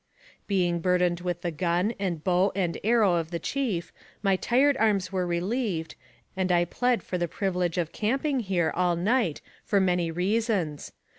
Being burdened with the gun, and bow and arrow of the chief, my tired arms were relieved, and I plead for the privilege of camping here all night for many rea sons.